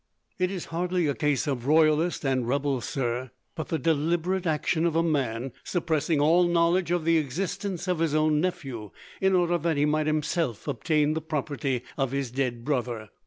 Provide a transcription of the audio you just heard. "It is hardly a case of royalist and rebel, sir, but the deliberate action of a man suppressing all knowledge of the existence of his own nephew, in order that he might himself obtain the property of his dead brother.